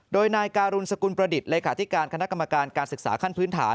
โดยนายการุณสกุลประดิษฐ์เลขาธิการคณะกรรมการการศึกษาขั้นพื้นฐาน